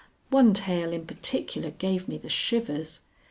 One tale in particular gave me the shivers.